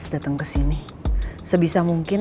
dateng kesini sebisa mungkin